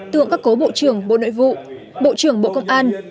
tượng các cố bộ trưởng bộ nội vụ bộ trưởng bộ công an